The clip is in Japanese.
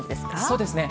そうですね。